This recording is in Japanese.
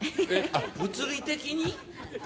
物理的に？